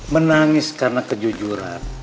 menangis karena kejujuran